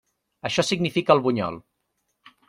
Això significa el bunyol.